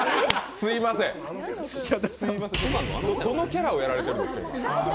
すいません、どのキャラをやられているんですか？